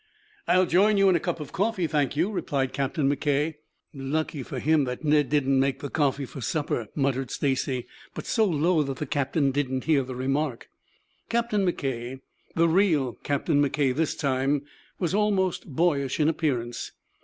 "I'll join you in a cup of coffee, thank you," replied Captain McKay. "Lucky for him that Ned didn't make the coffee for supper," muttered Stacy, but so low that the captain did not hear the remark. Captain McKay, the real Captain McKay this time, was almost boyish in appearance.